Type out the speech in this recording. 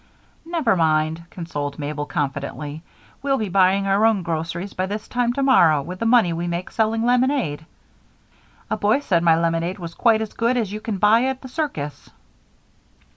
"Never mind," consoled Mabel, confidently. "We'll be buying our own groceries by this time tomorrow with the money we make selling lemonade. A boy said my lemonade was quite as good as you can buy at the circus."